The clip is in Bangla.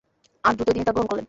আর দ্রুতই তিনি তা গ্রহণ করলেন।